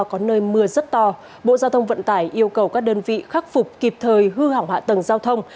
có nơi mưa rất to bộ giao thông vận tải yêu cầu các đơn vị khắc phục kịp thời hư hỏng hạ tầng giao thông